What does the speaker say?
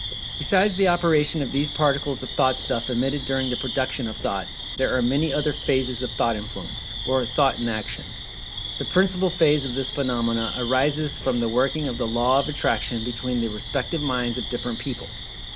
Besides the operation of these particles of Thought stuff emitted during the production of Thought, there are many other phases of Thought Influence, or Thought in Action. The principal phase of this phenomena arises from the working of the Law of Attraction between the respective minds of different people.